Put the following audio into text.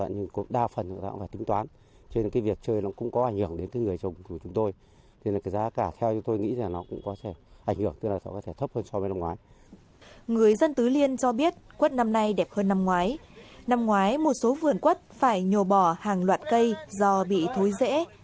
năm ngoái một số vườn quất phải nhồ bỏ hàng loạt cây do bị thối rễ